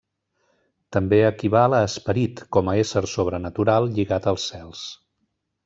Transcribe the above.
També equival a 'esperit' com a ésser sobrenatural lligat als cels.